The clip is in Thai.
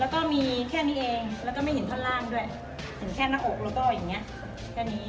แล้วก็มีแค่นี้เองแล้วก็ไม่เห็นท่อนล่างด้วยเห็นแค่หน้าอกแล้วก็อย่างนี้แค่นี้